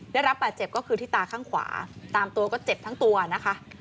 ได้รับบาดเจ็บก็คือที่ตาข้างขวาตามตัวก็เจ็บทั้งตัวนะคะ